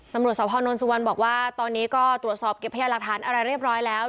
ตำรวจสพนนทสุวรรณบอกว่าตอนนี้ก็ตรวจสอบเก็บพยานหลักฐานอะไรเรียบร้อยแล้ว